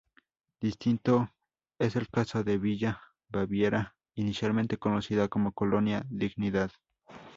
Distinto es el caso de Villa Baviera, inicialmente conocida como Colonia Dignidad.